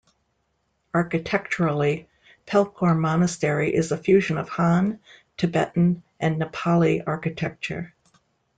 Architecturally, Pelkhor monastery is a fusion of Han, Tibetan and Nepali architecture.